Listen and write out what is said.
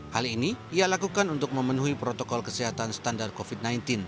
hal ini ia lakukan untuk memenuhi protokol kesehatan standar covid sembilan belas